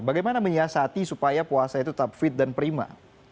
bagaimana menyiasati supaya puasa itu tetap fit dan prima